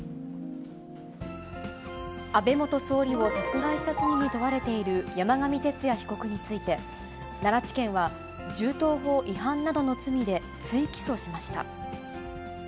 安倍元総理を殺害した罪に問われている山上徹也被告について、奈良地検は、銃刀法違反などの罪で追起訴しました。